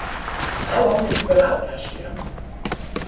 "How long have you been out?" asked Jim.